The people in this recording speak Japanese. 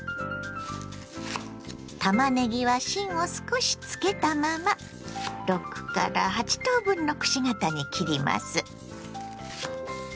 たまねぎは芯を少しつけたまま６８等分のくし形に切ります。